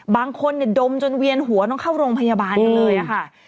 บางคนดมจนเวียนหัวต้องเข้าโรงพยาบาลกันเลยค่ะ